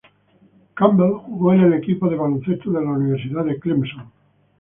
Campbell jugó en el equipo de baloncesto de la Universidad de Clemson.